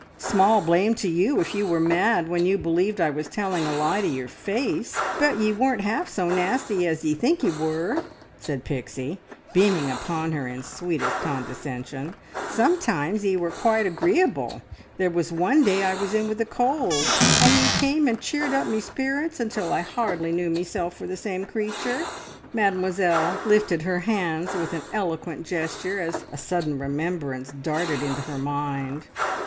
"Small blame to you if you were mad when you believed I was telling a lie to your face! But ye weren't half so nasty as ye think ye were," said Pixie, beaming upon her in sweetest condescension. "Sometimes ye were quite agreeable. There was one day I was in with a cold, and ye came and cheered up me spirits until I hardly knew meself for the same creature." Mademoiselle lifted her hands with an eloquent gesture, as a sudden remembrance darted into her mind.